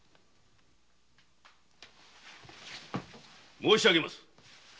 申しあげます。